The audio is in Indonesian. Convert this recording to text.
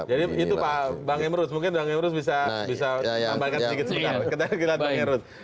jadi itu pak bang emerus mungkin bang emerus bisa tambahkan sedikit sebentar